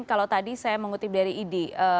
kalau tadi saya mengutip dari idi